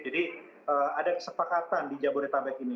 ada kesepakatan di jabodetabek ini